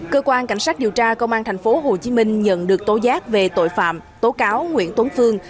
cơ quan cảnh sát điều tra công an thành phố hồ chí minh nhận được tố giác về tội phạm tố cáo nguyễn tuấn phương